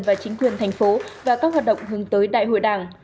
và chính quyền thành phố và các hoạt động hướng tới đại hội đảng